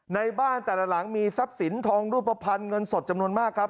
ในบ้านแต่ละหลังมีทรัพย์สินทองรูปภัณฑ์เงินสดจำนวนมากครับ